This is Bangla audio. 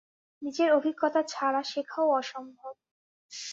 নিজের অভিজ্ঞতা ছাড়া শেখাও অসম্ভব।